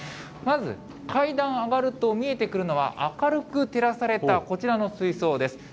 まず階段上がると見えてくるのが、明るく照らされたこちらの水槽です。